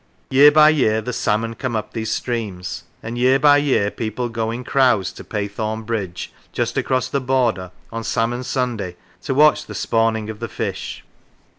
Year by year the salmon come up these streams, and year by year people go in crowds to Paythorne Bridge, just across the border, on Salmon Sunday, to watch the spawning of the fish.